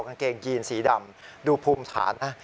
กางเกงยีนสีดำดูภูมิฐานนะ